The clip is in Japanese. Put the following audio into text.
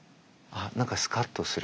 何かスカッとする。